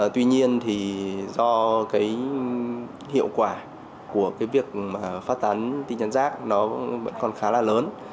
tuy nhiên thì do cái hiệu quả của cái việc phát tán tin nhắn rác nó vẫn còn khá là lớn